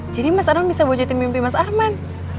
jadi mas arman bisa bocetin mimpi mas arman